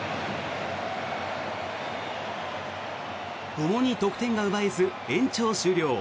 ともに得点が奪えず延長終了。